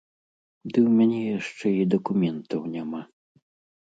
Ды ў мяне яшчэ і дакументаў няма.